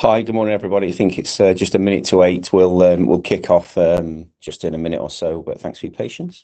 Hi, good morning, everybody. I think it's just a minute to eight. We'll kick off just in a minute or so, but thanks for your patience.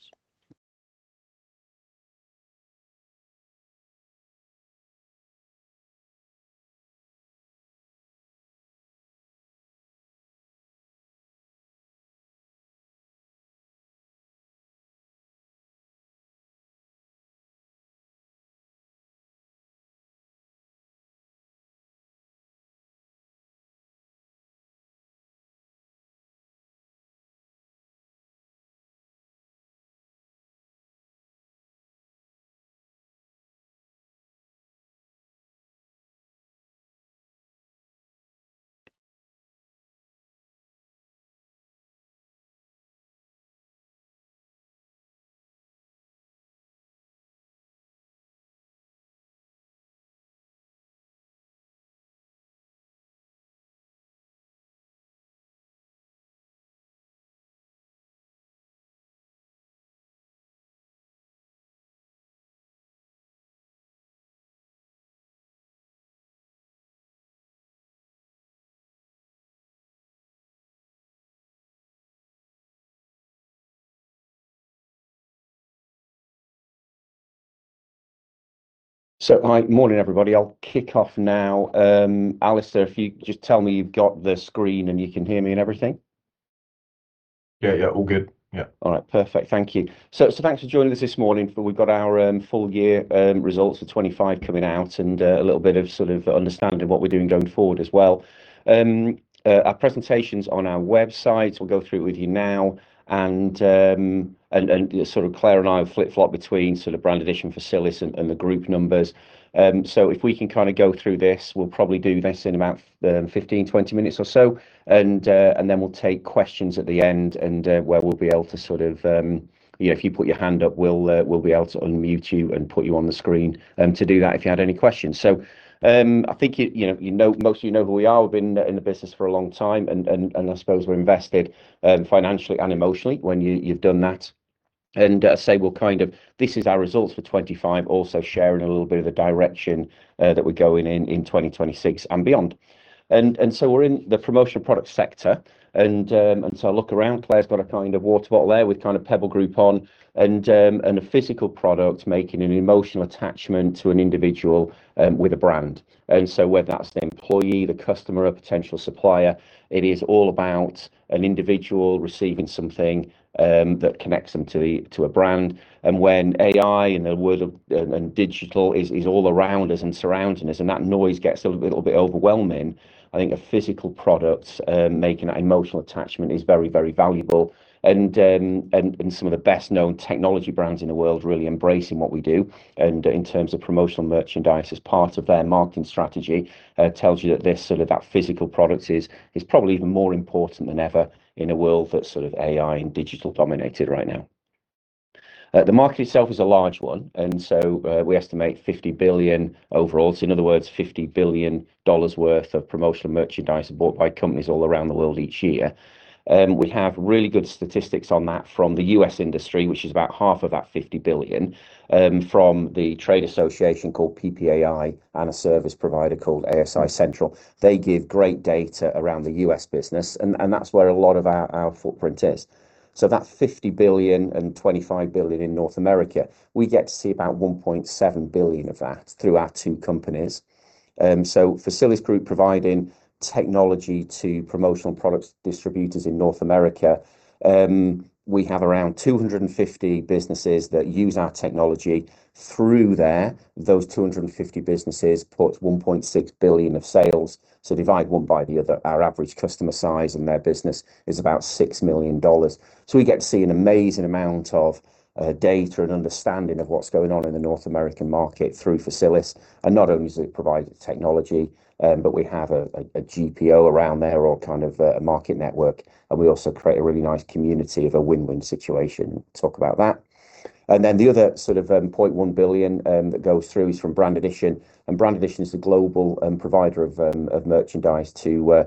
Hi, morning, everybody. I'll kick off now. Alistair, if you just tell me you've got the screen and you can hear me and everything. Yeah, all good. All right. Perfect. Thank you. Thanks for joining us this morning. We've got our full year results for 2025 coming out and a little bit of sort of understanding what we're doing going forward as well. Our presentation's on our website. We'll go through it with you now and Claire and I will flip-flop between sort of Brand Addition, Facilisgroup and the group numbers. If we can kinda go through this, we'll probably do this in about 15, 20 minutes or so and then we'll take questions at the end and where we'll be able to sort of you know if you put your hand up we'll be able to unmute you and put you on the screen to do that if you had any questions. I think you know most of you know who we are. We've been in the business for a long time, and I suppose we're invested financially and emotionally when you you've done that. As I say, we'll kind of this is our results for 2025, also sharing a little bit of the direction that we're going in in 2026 and beyond. We're in the promotional product sector and look around. Claire's got a kind of water bottle there with kind of Pebble Group on and a physical product making an emotional attachment to an individual with a brand. Whether that's the employee, the customer or potential supplier, it is all about an individual receiving something that connects them to a brand. When AI and the world of digital is all around us and surrounding us and that noise gets a little bit overwhelming, I think a physical product making that emotional attachment is very, very valuable and some of the best-known technology brands in the world really embracing what we do and in terms of promotional merchandise as part of their marketing strategy tells you that this sort of that physical product is probably even more important than ever in a world that's sort of AI and digital dominated right now. The market itself is a large one. We estimate $50 billion overall. In other words, $50 billion worth of promotional merchandise bought by companies all around the world each year. We have really good statistics on that from the U.S. industry, which is about half of that $50 billion, from the trade association called PPAI and a service provider called ASI Central. They give great data around the U.S. business, and that's where a lot of our footprint is. That $50 billion and $25 billion in North America, we get to see about $1.7 billion of that through our two companies. Facilisgroup providing technology to promotional products distributors in North America. We have around 250 businesses that use our technology through there. Those 250 businesses put $1.6 billion of sales. Divide one by the other, our average customer size in their business is about $6 million. We get to see an amazing amount of data and understanding of what's going on in the North American market through Facilisgroup. Not only does it provide technology, but we have a GPO around there or kind of a market network, and we also create a really nice community of a win-win situation. Talk about that. Then the other sort of $0.1 billion that goes through is from Brand Addition. Brand Addition is a global provider of merchandise to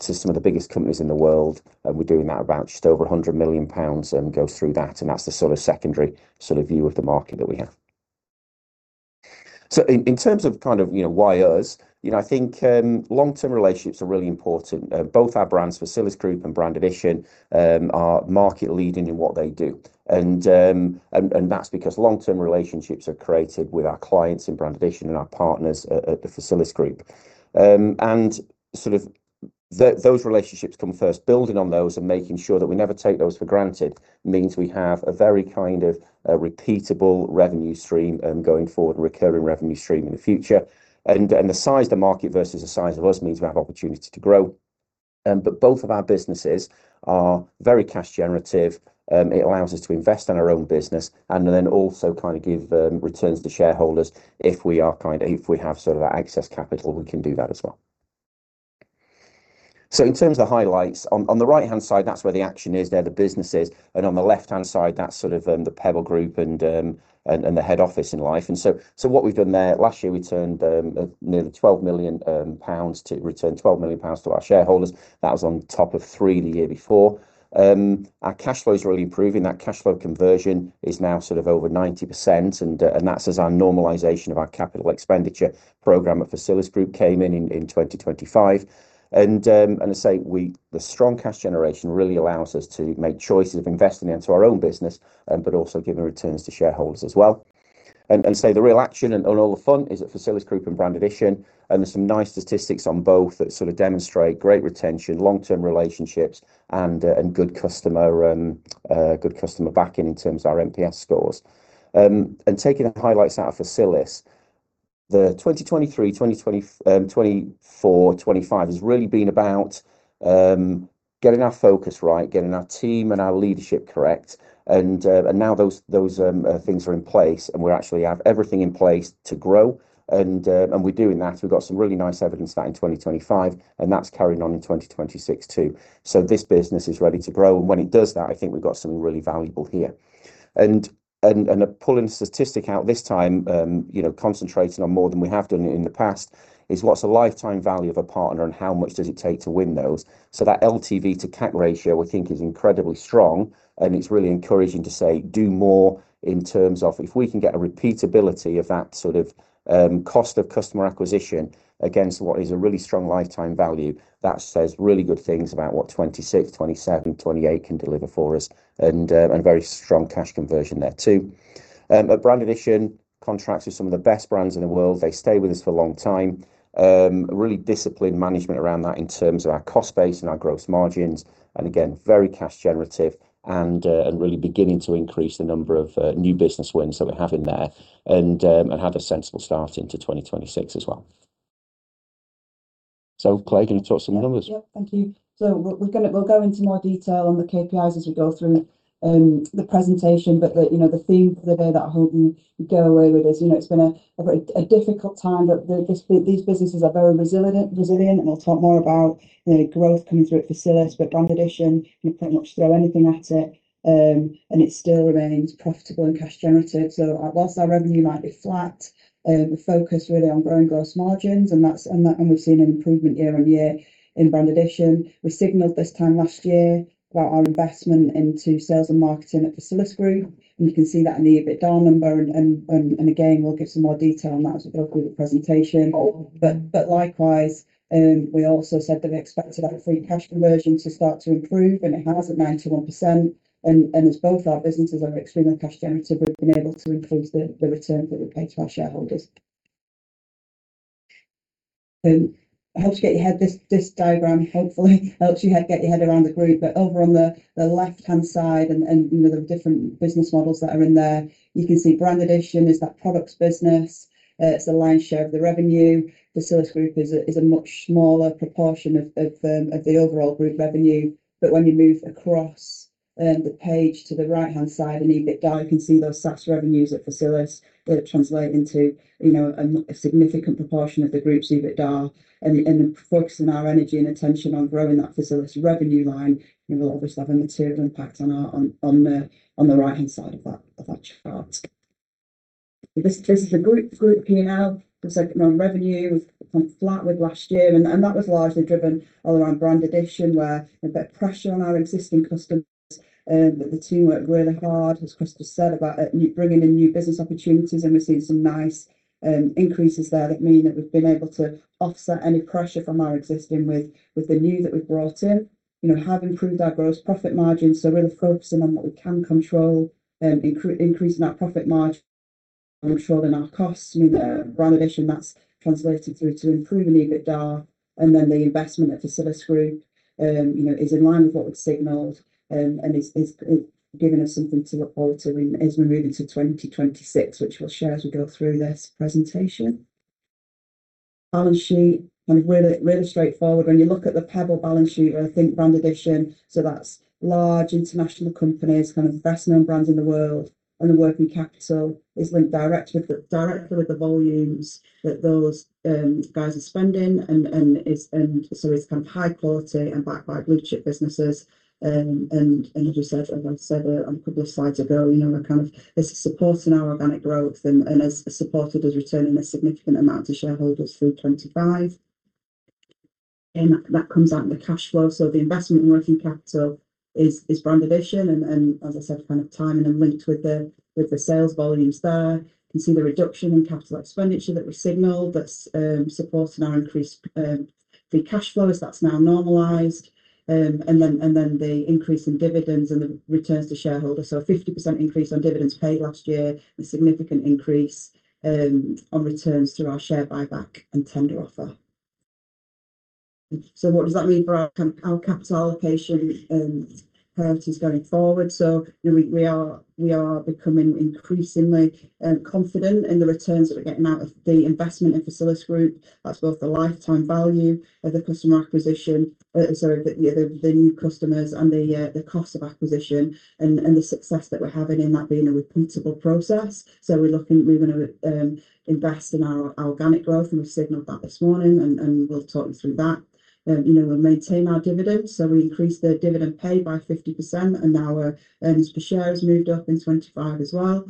some of the biggest companies in the world. We're doing that about just over 100 million pounds goes through that, and that's the sort of secondary sort of view of the market that we have. In terms of kind of, you know, why us, you know, I think long-term relationships are really important. Both our brands, Facilisgroup and Brand Addition, are market leading in what they do. That's because long-term relationships are created with our clients in Brand Addition and our partners at the Facilisgroup. Sort of those relationships come first, building on those and making sure that we never take those for granted means we have a very kind of repeatable revenue stream going forward, recurring revenue stream in the future. The size of the market versus the size of us means we have opportunity to grow. Both of our businesses are very cash generative. It allows us to invest in our own business and then also kind of give returns to shareholders if we have sort of that excess capital, we can do that as well. In terms of the highlights, on the right-hand side, that's where the action is. They're the businesses. On the left-hand side, that's sort of The Pebble Group and the head office and the like. What we've done there, last year, we returned 12 million pounds to our shareholders. That was on top of 3 million the year before. Our cash flow is really improving. That cash flow conversion is now sort of over 90%, and that's as our normalization of our capital expenditure program at Facilisgroup came in in 2025. The strong cash generation really allows us to make choices of investing into our own business, but also giving returns to shareholders as well. So the real action and all the fun is at Facilisgroup and Brand Addition, and there's some nice statistics on both that sort of demonstrate great retention, long-term relationships and good customer backing in terms of our NPS scores. Taking up highlights out of Facilisgroup, the 2023-2025 has really been about getting our focus right, getting our team and our leadership correct. Now those things are in place, and we actually have everything in place to grow, and we're doing that. We've got some really nice evidence of that in 2025, and that's carrying on in 2026 too. This business is ready to grow, and when it does that, I think we've got something really valuable here. Pulling a statistic out this time, you know, concentrating on more than we have done in the past, is what's the lifetime value of a partner and how much does it take to win those? That LTV to CAC ratio we think is incredibly strong, and it's really encouraging to say, do more in terms of if we can get a repeatability of that sort of, cost of customer acquisition against what is a really strong lifetime value, that says really good things about what 2026, 2027, 2028 can deliver for us and very strong cash conversion there too. But Brand Addition contracts with some of the best brands in the world. They stay with us for a long time. Really disciplined management around that in terms of our cost base and our gross margins, and again, very cash generative and really beginning to increase the number of new business wins that we have in there and have a sensible start into 2026 as well. So Claire, do you wanna talk some numbers? Yeah. Yep, thank you. We'll go into more detail on the KPIs as we go through the presentation, but you know, the theme for the day that I hope you go away with is, you know, it's been a very difficult time, but these businesses are very resilient, and I'll talk more about, you know, growth coming through at Facilisgroup. Brand Addition, you can pretty much throw anything at it, and it still remains profitable and cash generative. While our revenue might be flat, the focus really on growing gross margins and we've seen an improvement year-over-year in Brand Addition. We signaled this time last year about our investment into sales and marketing at Facilisgroup, and you can see that in the EBITDA number and again, we'll give some more detail on that as we go through the presentation. We also said that we expected our free cash conversion to start to improve, and it has at 91%. As both our businesses are extremely cash generative, we've been able to increase the return that we pay to our shareholders. This diagram hopefully helps you get your head around the group. Over on the left-hand side and you know, the different business models that are in there, you can see Brand Addition is that products business. It's the lion's share of the revenue. Facilisgroup is a much smaller proportion of the overall group revenue. When you move across the page to the right-hand side and EBITDA, you can see those SaaS revenues at Facilisgroup that translate into, you know, a significant proportion of the group's EBITDA. Focusing our energy and attention on growing that Facilisgroup revenue line, you know, will obviously have a material impact on the right-hand side of that chart. This is the group PNL. As I said, coming on revenue, we've come flat with last year, and that was largely driven all around Brand Addition where a bit of pressure on our existing customers. The team worked really hard, as Christopher said, about bringing in new business opportunities, and we've seen some nice increases there that mean that we've been able to offset any pressure from our existing with the new that we've brought in. You know, have improved our gross profit margins, so really focusing on what we can control, increasing that profit margin and controlling our costs. You know, Brand Addition, that's translated through to improving EBITDA. Then the investment at Facilisgroup, you know, is in line with what we've signaled, and is giving us something to look forward to in as we move into 2026, which we'll share as we go through this presentation. Balance sheet, kind of really straightforward. When you look at The Pebble Group balance sheet or I think Brand Addition, that's large international companies, kind of best-known brands in the world, and the working capital is linked directly with the volumes that those guys are spending and so it's kind of high quality and backed by blue-chip businesses. As we said, as I've said a couple of slides ago, you know, we're kind of, this is supporting our organic growth and has supported us returning a significant amount to shareholders through 2025. That comes out in the cash flow. The investment in working capital is Brand Addition and as I said, kind of timing and linked with the sales volumes there. You can see the reduction in capital expenditure that we signaled that's supporting our increased free cash flows. That's now normalized. The increase in dividends and the returns to shareholders. A 50% increase on dividends paid last year and significant increase on returns through our share buyback and tender offer. What does that mean for our capital allocation and priorities going forward? You know, we are becoming increasingly confident in the returns that we're getting out of the investment in Facilisgroup. That's both the lifetime value of the new customers and the cost of acquisition and the success that we're having in that being a repeatable process. We're going to invest in our organic growth, and we've signaled that this morning, and we'll talk you through that. You know, we'll maintain our dividends. We increased the dividend pay by 50%, and our earnings per share has moved up in 2025 as well.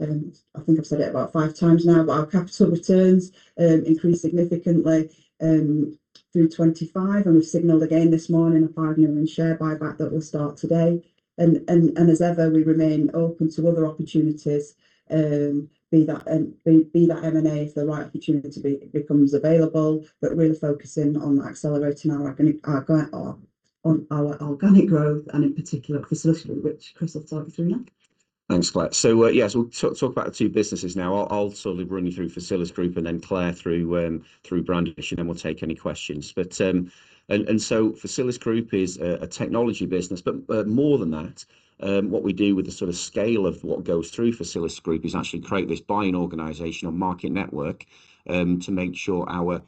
I think I've said it about five times now, but our capital returns increased significantly through 2025, and we've signaled again this morning a 5 million share buyback that will start today. As ever, we remain open to other opportunities, be that M&A if the right opportunity becomes available. Really focusing on accelerating our organic growth and in particular Facilisgroup which Chris will talk us through now. Thanks, Claire. Yes, we'll talk about the two businesses now. I'll sort of run you through Facilisgroup and then Claire through Brand Addition, and then we'll take any questions. Facilisgroup is a technology business, but more than that, what we do with the sort of scale of what goes through Facilisgroup is actually create this buying organization or market network to make sure our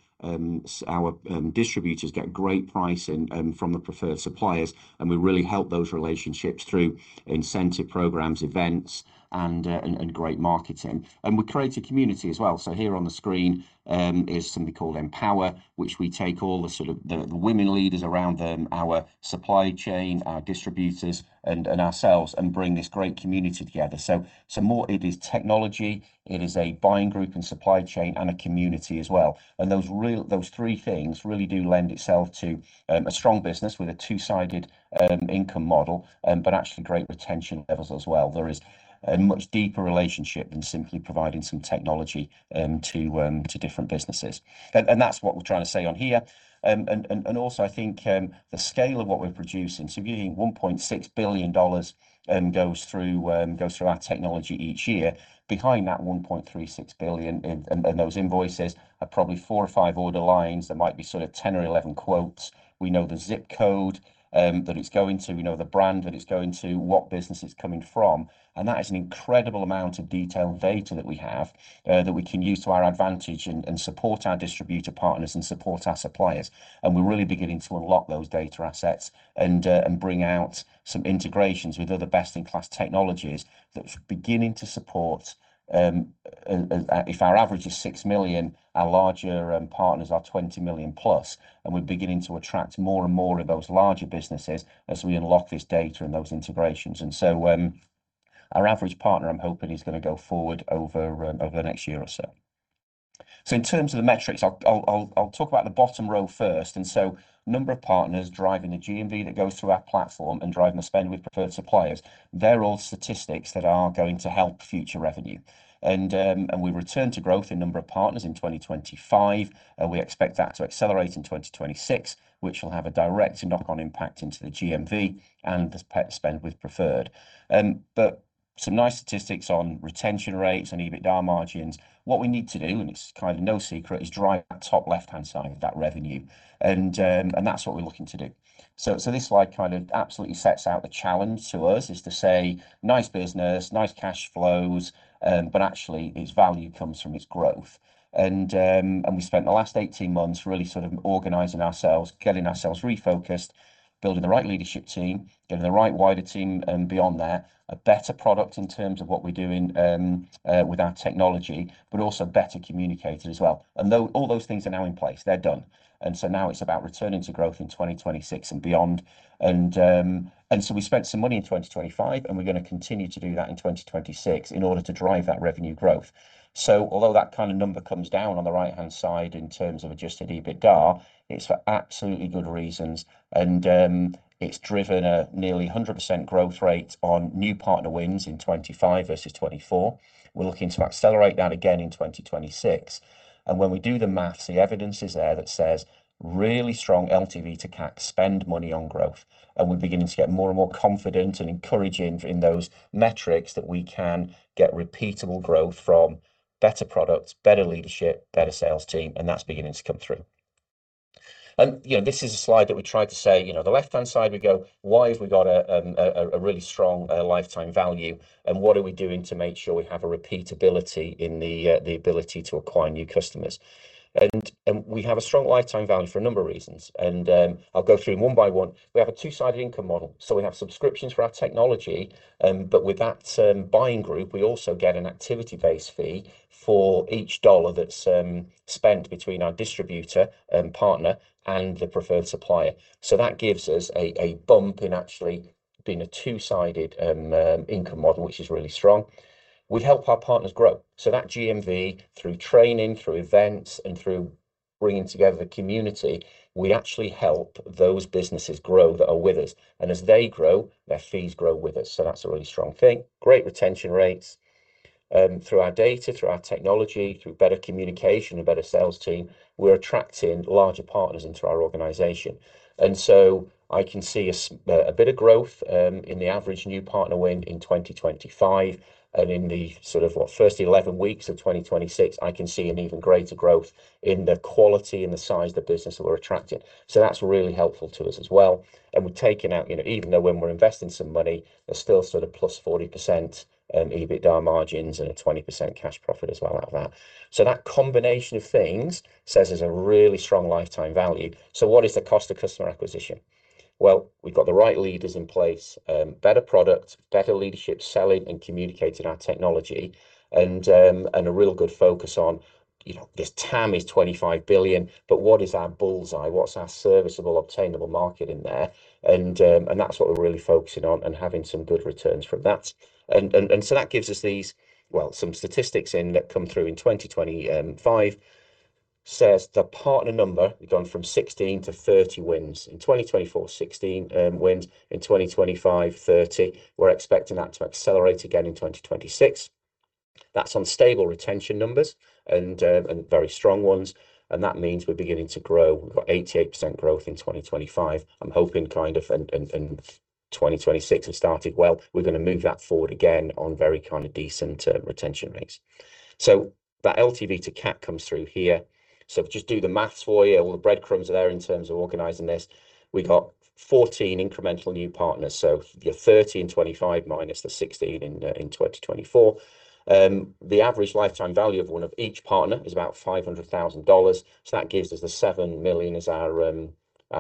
distributors get great pricing from the preferred suppliers, and we really help those relationships through incentive programs, events and great marketing. We create a community as well. Here on the screen is something called Empower, which we take all the sort of women leaders around the supply chain, our distributors and ourselves, and bring this great community together. More it is technology, it is a buying group and supply chain and a community as well. Those three things really do lend itself to a strong business with a two-sided income model, but actually great retention levels as well. There is a much deeper relationship than simply providing some technology to different businesses. That's what we're trying to say on here. Also I think the scale of what we're producing, so giving $1.6 billion goes through our technology each year. Behind that 1.36 billion and those invoices are probably 4 or 5 order lines that might be sort of 10 or 11 quotes. We know the zip code that it's going to, we know the brand that it's going to, what business it's coming from, and that is an incredible amount of detailed data that we have that we can use to our advantage and support our distributor partners and support our suppliers. We're really beginning to unlock those data assets and bring out some integrations with other best in class technologies that's beginning to support. If our average is 6 million, our larger partners are 20 million+, and we're beginning to attract more and more of those larger businesses as we unlock this data and those integrations. Our average partner, I'm hoping, is gonna go forward over the next year or so. In terms of the metrics, I'll talk about the bottom row first, and so number of partners driving the GMV that goes through our platform and driving the spend with preferred suppliers, they're all statistics that are going to help future revenue. We return to growth in number of partners in 2025, and we expect that to accelerate in 2026, which will have a direct knock on impact into the GMV and the spend with preferred. But some nice statistics on retention rates and EBITDA margins. What we need to do, and it's kind of no secret, is drive that top left-hand side of that revenue. That's what we're looking to do. This slide kind of absolutely sets out the challenge to us is to say, nice business, nice cash flows, but actually its value comes from its growth. We spent the last 18 months really sort of organizing ourselves, getting ourselves refocused, building the right leadership team, getting the right wider team, beyond that, a better product in terms of what we're doing, with our technology, but also better communicated as well. Now all those things are in place, they're done, so now it's about returning to growth in 2026 and beyond. We spent some money in 2025, and we're gonna continue to do that in 2026 in order to drive that revenue growth. Although that kind of number comes down on the right-hand side in terms of Adjusted EBITDA, it's for absolutely good reasons. It's driven a nearly 100% growth rate on new partner wins in 2025 versus 2024. We're looking to accelerate that again in 2026. When we do the math, the evidence is there that says really strong LTV to CAC, spend money on growth. We're beginning to get more and more confident and encouraging in those metrics that we can get repeatable growth from better products, better leadership, better sales team, and that's beginning to come through. You know, this is a slide that we tried to say, you know, the left-hand side we go, "Why have we got a really strong lifetime value, and what are we doing to make sure we have a repeatability in the ability to acquire new customers?" We have a strong lifetime value for a number of reasons. I'll go through them one by one. We have a two-sided income model. We have subscriptions for our technology, but with that, buying group, we also get an activity-based fee for each dollar that's spent between our distributor partner and the preferred supplier. That gives us a bump in actually being a two-sided income model, which is really strong. We help our partners grow. That GMV through training, through events, and through bringing together community, we actually help those businesses grow that are with us. As they grow, their fees grow with us, so that's a really strong thing. Great retention rates through our data, through our technology, through better communication, a better sales team, we're attracting larger partners into our organization. I can see a bit of growth in the average new partner win in 2025. In the sort of the first 11 weeks of 2026, I can see an even greater growth in the quality and the size of the business that we're attracting. That's really helpful to us as well. We've taken out, you know, even though when we're investing some money, there's still sort of +40% EBITDA margins and a 20% cash profit as well out of that. That combination of things says there's a really strong lifetime value. What is the cost of customer acquisition? Well, we've got the right leaders in place, better product, better leadership selling and communicating our technology, and a real good focus on, you know, this TAM is $25 billion, but what is our bull's-eye? What's our serviceable obtainable market in there? That's what we're really focusing on and having some good returns from that. So that gives us these, well, some statistics in that come through in 2025 says the partner number had gone from 16 to 30 wins. In 2024, 16 wins. In 2025, 30. We're expecting that to accelerate again in 2026. That's on stable retention numbers and very strong ones, and that means we're beginning to grow. We've got 88% growth in 2025. I'm hoping kind of and 2026 has started well. We're gonna move that forward again on very kind of decent retention rates. That LTV to CAC comes through here. If I just do the math for you, all the breadcrumbs are there in terms of organizing this. We got 14 incremental new partners, so your 30 in 2025 minus the 16 in 2024. The average lifetime value of one of each partner is about $500,000, so that gives us the $7 million as our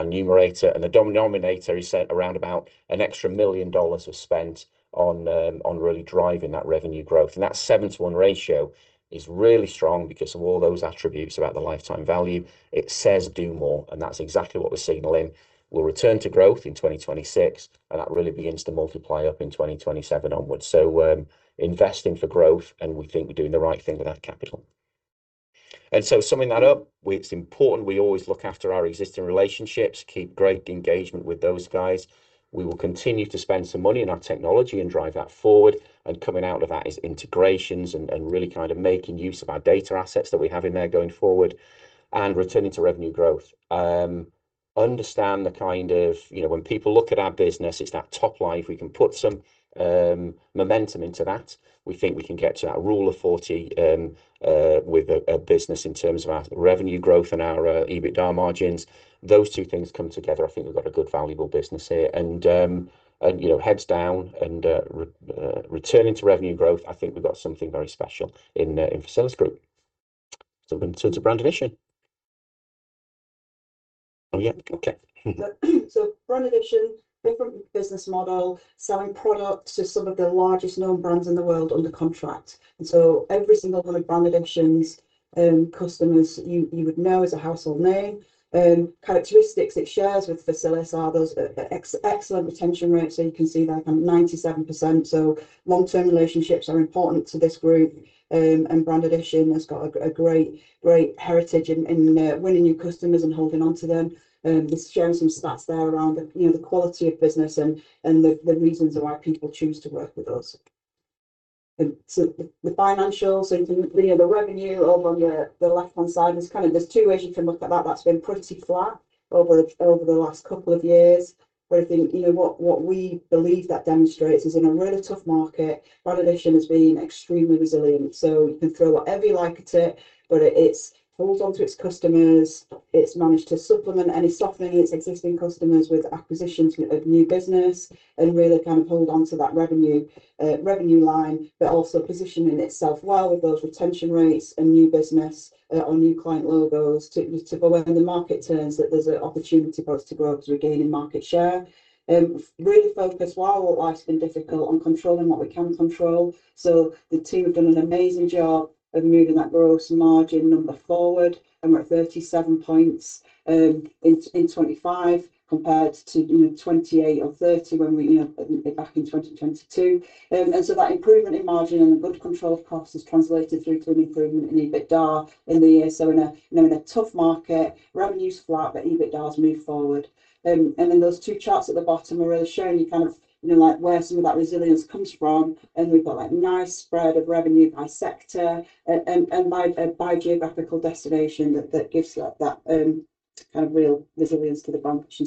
numerator, and the denominator is set around about an extra $1 million was spent on really driving that revenue growth. That 7-to-1 ratio is really strong because of all those attributes about the lifetime value. It says do more, and that's exactly what we're signaling. We'll return to growth in 2026, and that really begins to multiply up in 2027 onwards. Investing for growth, and we think we're doing the right thing with our capital. Summing that up, it's important we always look after our existing relationships, keep great engagement with those guys. We will continue to spend some money in our technology and drive that forward, and coming out of that is integrations and really kind of making use of our data assets that we have in there going forward and returning to revenue growth. Understand the kind of, you know, when people look at our business, it's that top line. If we can put some momentum into that, we think we can get to that Rule of 40 with a business in terms of our revenue growth and our EBITDA margins. Those two things come together, I think we've got a good valuable business here. Heads down and returning to revenue growth, I think we've got something very special in Facilisgroup. In terms of Brand Addition. Oh, yeah. Okay. Brand Addition, different business model, selling products to some of the largest known brands in the world under contract. Every single one of Brand Addition's customers you would know as a household name. Characteristics it shares with Facilisgroup are those excellent retention rates that you can see there, 97%. Long-term relationships are important to this group. Brand Addition has got a great heritage in winning new customers and holding on to them. Just sharing some stats there around the quality of business and the reasons why people choose to work with us. The financials, you know, the revenue over on the left-hand side. There's two ways you can look at that. That's been pretty flat over the last couple of years. I think, you know, what we believe that demonstrates is in a really tough market, Brand Addition has been extremely resilient. You can throw whatever you like at it, but it's hold onto its customers. It's managed to supplement any softening its existing customers with acquisitions of new business and really kind of hold on to that revenue line, but also positioning itself well with those retention rates and new business or new client logos to go when the market turns that there's an opportunity for us to grow to regaining market share. Really focused while life's been difficult on controlling what we can control. The team have done an amazing job of moving that gross margin number forward, and we're at 37%, in 2025 compared to, you know, 28 or 30 when we, you know, back in 2022. That improvement in margin and the good control of costs has translated through to an improvement in EBITDA in the year. In a, you know, in a tough market, revenue's flat, but EBITDA's moved forward. Then those two charts at the bottom are really showing you kind of, you know, like where some of that resilience comes from, and we've got that nice spread of revenue by sector and by geographical destination that kind of real resilience to the Brand Addition.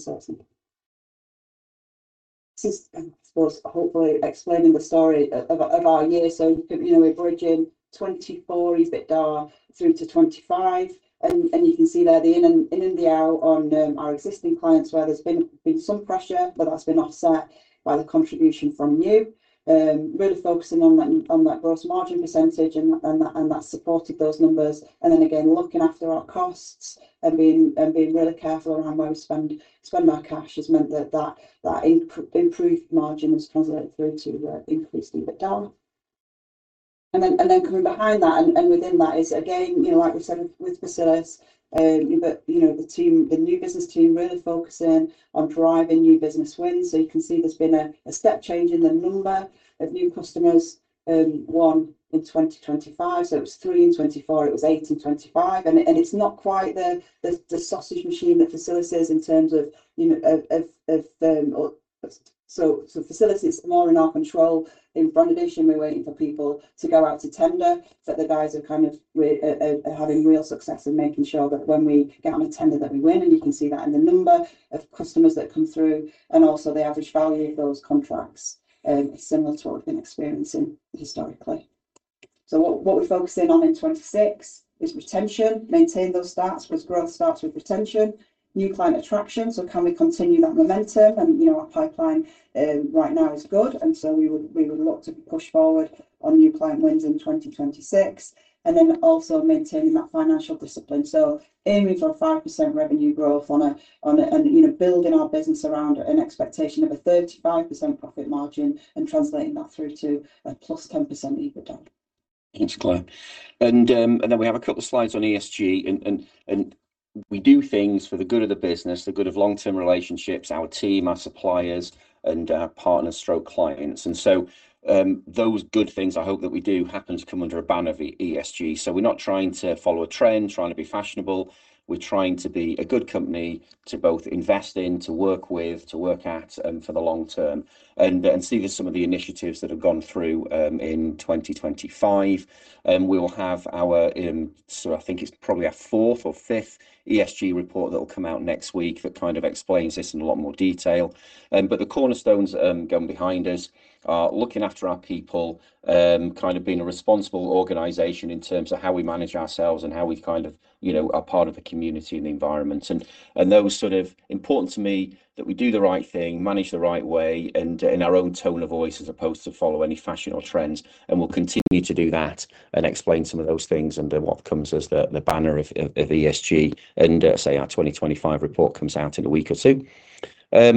This is, I suppose, hopefully explaining the story of our year. You know, we're bridging 2024 EBITDA through to 2025. You can see there the ins and the outs on our existing clients where there's been some pressure, but that's been offset by the contribution from new. Really focusing on that gross margin percentage, and that supported those numbers. Looking after our costs and being really careful around where we spend our cash has meant that improved margin has translated through to increased EBITDA. Coming behind that and within that is again, you know, like we said with Facilisgroup, you've got, you know, the team, the new business team really focusing on driving new business wins. You can see there's been a step change in the number of new customers won in 2025. It was three in 2024, it was eight in 2025. It's not quite the sausage machine that Facilisgroup is in terms of, you know, of. Facilisgroup is more in our control. In Brand Addition, we're waiting for people to go out to tender, but the guys are kind of having real success in making sure that when we get on a tender that we win. You can see that in the number of customers that come through and also the average value of those contracts, similar to what we've been experiencing historically. What we're focusing on in 2026 is retention, maintain those stats, because growth starts with retention. New client attraction, can we continue that momentum? You know, our pipeline right now is good, we would look to push forward on new client wins in 2026. Also maintaining that financial discipline. Aiming for 5% revenue growth, and, you know, building our business around an expectation of a 35% profit margin and translating that through to a +10% EBITDA. Thanks, Claire. Then we have a couple slides on ESG and we do things for the good of the business, the good of long-term relationships, our team, our suppliers, and our partners/clients. Those good things I hope that we do happen to come under a banner of ESG. We're not trying to follow a trend, trying to be fashionable. We're trying to be a good company to both invest in, to work with, to work at, for the long term. We see there's some of the initiatives that have gone through in 2025. We will have our fourth or fifth ESG report that'll come out next week that kind of explains this in a lot more detail. The cornerstones going behind us are looking after our people, kind of being a responsible organization in terms of how we manage ourselves and how we kind of, you know, are part of a community and the environment. That was sort of important to me that we do the right thing, manage the right way, and in our own tone of voice as opposed to follow any fashion or trends. We'll continue to do that and explain some of those things under what comes as the banner of ESG, say our 2025 report comes out in a week or two. Where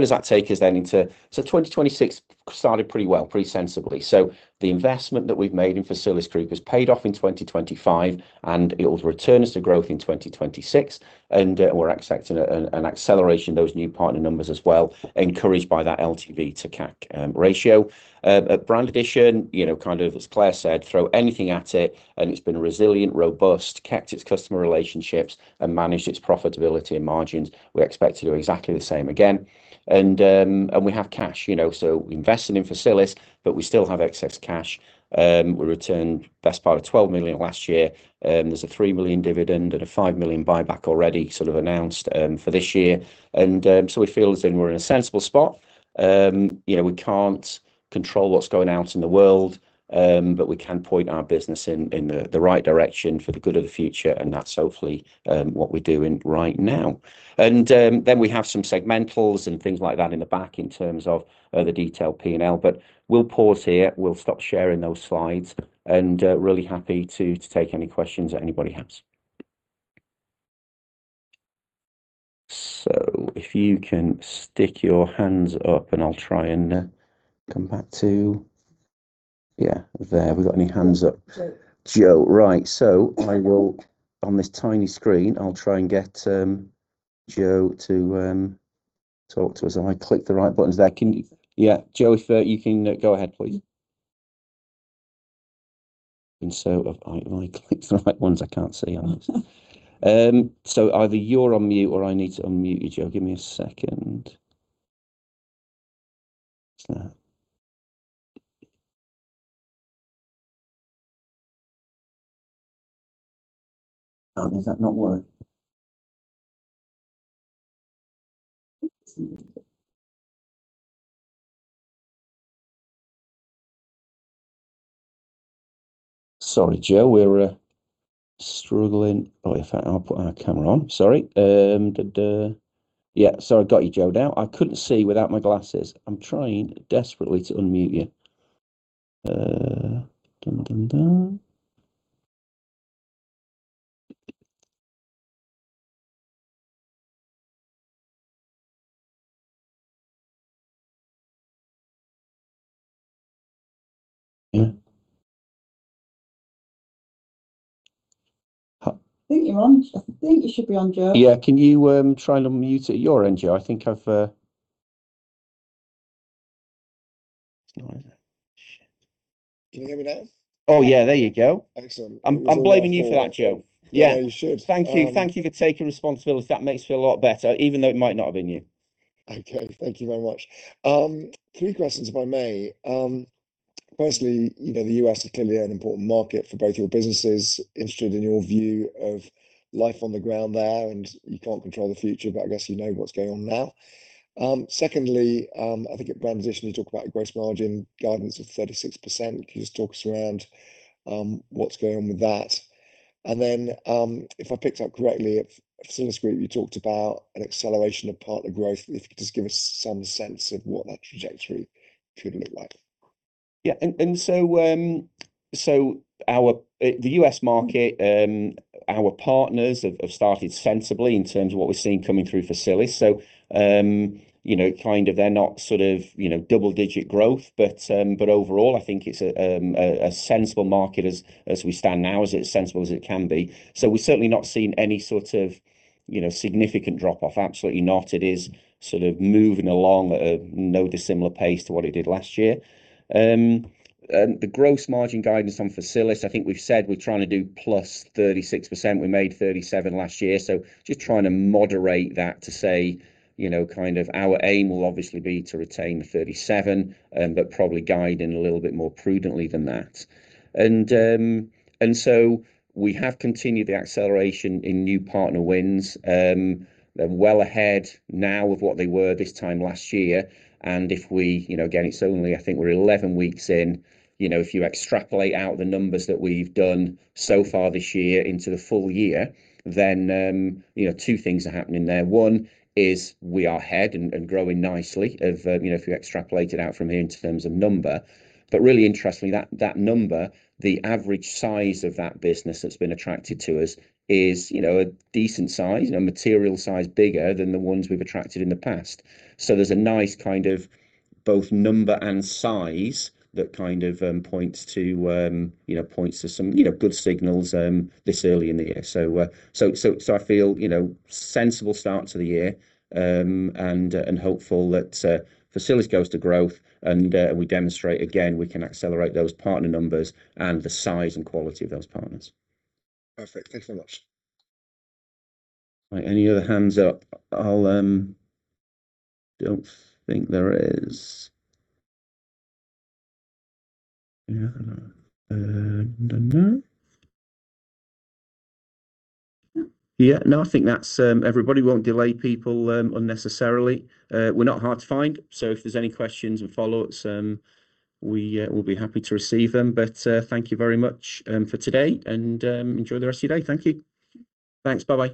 does that take us then into 2026 started pretty well, pretty sensibly. The investment that we've made in Facilisgroup has paid off in 2025, and it'll return us to growth in 2026, and we're expecting an acceleration those new partner numbers as well, encouraged by that LTV to CAC ratio. At Brand Addition, you know, kind of as Claire said, throw anything at it, and it's been resilient, robust, kept its customer relationships, and managed its profitability and margins. We expect to do exactly the same again. We have cash, you know. We're investing in Facilisgroup, but we still have excess cash. We returned best part of 12 million last year. There's a 3 million dividend and a 5 million buyback already sort of announced for this year. It feels then we're in a sensible spot. You know, we can't control what's going out in the world, but we can point our business in the right direction for the good of the future, and that's hopefully what we're doing right now. We have some segmentals and things like that in the back in terms of other detailed P&L. We'll pause here. We'll stop sharing those slides and really happy to take any questions that anybody has. If you can stick your hands up and I'll try and come back to. Yeah, there. Have we got any hands up? Joe. Joe. Right. I will, on this tiny screen, I'll try and get Joe to talk to us. Have I clicked the right buttons there? Yeah, Joe, if you can go ahead, please. Have I clicked the right ones? I can't see. Either you're on mute or I need to unmute you, Joe. Give me a second. Oh, is that not working? Sorry, Joe. We're struggling. Oh, in fact, I'll put my camera on. Sorry. Yeah. Sorry, I've got you, Joe, now. I couldn't see without my glasses. I'm trying desperately to unmute you. Yeah. I think you're on. I think you should be on, Joe. Yeah. Can you try and unmute at your end, Joe? It's not, is it? Shit. Can you hear me now? Oh, yeah. There you go. Excellent. I'm blaming you for that, Joe. Yeah. Yeah, you should. Thank you. Thank you for taking responsibility. That makes me feel a lot better, even though it might not have been you. Okay. Thank you very much. Three questions if I may. Firstly, you know, the U.S. is clearly an important market for both your businesses. Interested in your view of life on the ground there, and you can't control the future, but I guess you know what's going on now. Secondly, I think at Brand Addition you talk about gross margin guidance of 36%. Can you just talk us through, what's going on with that? And then, if I picked up correctly, at Facilisgroup you talked about an acceleration of partner growth. If you could just give us some sense of what that trajectory could look like. The US market, our partners have started sensibly in terms of what we're seeing coming through Facilis. They're not double-digit growth, but overall, I think it's a sensible market as we stand now, as sensible as it can be. We've certainly not seen any significant drop-off. Absolutely not. It is sort of moving along at a not dissimilar pace to what it did last year. The gross margin guidance on Facilis, I think we've said we're trying to do plus 36%. We made 37% last year. Just trying to moderate that to say, you know, kind of our aim will obviously be to retain the 37, but probably guide in a little bit more prudently than that. We have continued the acceleration in new partner wins. They're well ahead now of what they were this time last year. If we, you know, again, it's only, I think we're 11 weeks in, you know, if you extrapolate out the numbers that we've done so far this year into the full year, then, you know, two things are happening there. One is we are ahead and growing nicely of, you know, if you extrapolate it out from here in terms of number. Really interestingly, that number, the average size of that business that's been attracted to us is, you know, a decent size and a material size bigger than the ones we've attracted in the past. There's a nice kind of both number and size that kind of points to you know points to some you know good signals this early in the year. I feel, you know, sensible start to the year, and hopeful that Facilisgroup goes to growth and we demonstrate again we can accelerate those partner numbers and the size and quality of those partners. Perfect. Thanks so much. All right. Any other hands up? I'll. Don't think there is. Yeah. dun. Yeah. No, I think that's everybody. Won't delay people unnecessarily. We're not hard to find, so if there's any questions and follow-ups, we will be happy to receive them. Thank you very much for today and enjoy the rest of your day. Thank you. Thanks. Bye-bye.